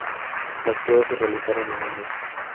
Las pruebas se realizaron en un mes.